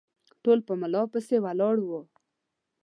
ټول په ملا پسې ولاړ وه